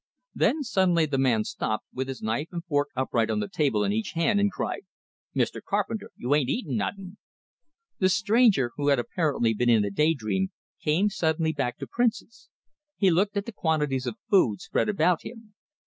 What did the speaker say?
Then suddenly the man stopped, with his knife and fork upright on the table in each hand, and cried: "Mr. Carpenter, you ain't eatin' nuttin'!" The stranger, who had apparently been in a daydream, came suddenly back to Prince's. He looked at the quantities of food spread about him.